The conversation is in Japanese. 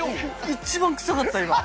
一番くさかった今。